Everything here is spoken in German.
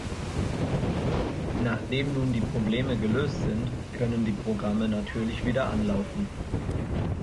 Nachdem nun die Probleme gelöst sind, können die Programme natürlich wieder anlaufen.